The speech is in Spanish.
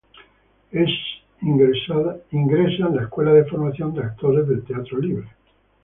Es egresada de la Escuela de Formación de Actores del Teatro Libre.